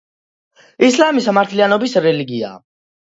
ისლამი სამართლიანობის რელიგიაა.